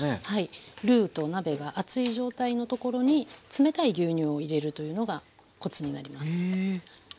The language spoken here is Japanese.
はいルーと鍋が熱い状態のところに冷たい牛乳を入れるというのがコツになります。